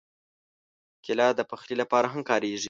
کېله د پخلي لپاره هم کارېږي.